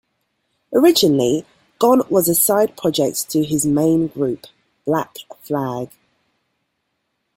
Originally, Gone was a side project to his main group, Black Flag.